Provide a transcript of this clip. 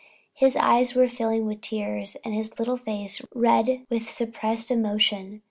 His eyes were filling with tears, and his little face red with suppressed emotion.